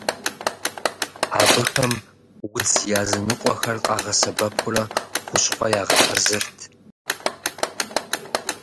Абыхэм удз языныкъуэхэр къагъэсэбэпурэ хущхъуэ ягъэхьэзырт.